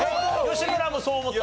吉村もそう思った？